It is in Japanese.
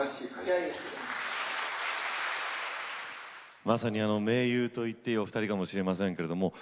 まさに盟友と言ってよいお二人かもしれませんが